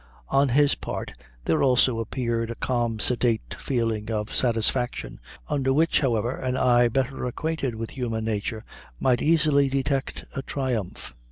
On his part there also appeared a calm sedate feeling of satisfaction, under which, however, an eye better acquainted with human nature might easily detect a triumph.